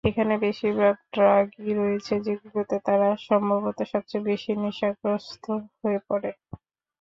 এখানে বেশিরভাগ ড্রাগই রয়েছে যেগুলোতে তারা সম্ভবত সবচেয়ে বেশি নেশাগ্রস্ত হয়ে পড়ে।